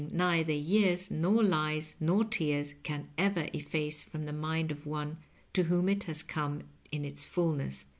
211 neither years, nor Ues, nor tears, can ever efface from the mind of one to whom it has come in its fulhiess.